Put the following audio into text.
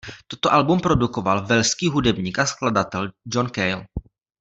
Toto album produkoval velšský hudebník a skladatel John Cale.